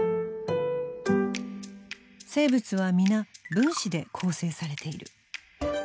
生物は皆分子で構成されている。